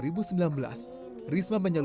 risma menyeluruhkan bantuan dan donasi